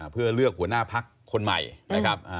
เพื่อเลือกหัวหน้าพักคนใหม่นะครับ